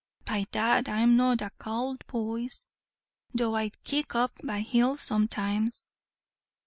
"By dad I'm not a cowlt, boys, though I kick up my heels sometimes."